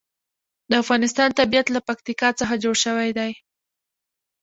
د افغانستان طبیعت له پکتیکا څخه جوړ شوی دی.